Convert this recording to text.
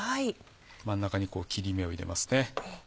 真ん中に切れ目を入れますね。